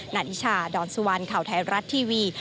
นานิชาดอนสุวรรณข่าวไทยรัฐทีวี